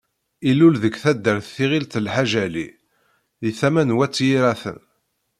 Ilul deg taddart Tiɣilt Lḥaǧ Ali, deg tama n Wat Yiraten.